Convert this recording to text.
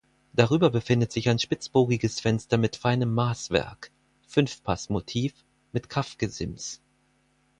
Darüber befindet sich ein spitzbogiges Fenster mit feinem Maßwerk (Fünfpassmotiv) mit Kaffgesims.